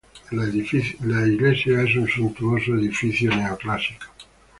La iglesia es un suntuoso edificio neo clásico.